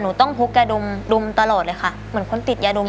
หนูต้องพลุกแยร์ดมตลอดเลยค่ะเหมือนคนติดแยร์ดมอยู่ตลอด